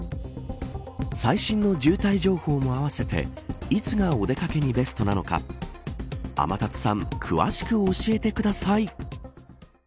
最新の渋滞情報も合わせていつがお出かけにベストなのか天達さん詳しく教えてください。